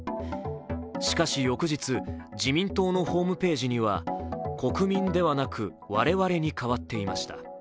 しかし翌日、自民党のホームページには国民ではなく我々に変わっていました。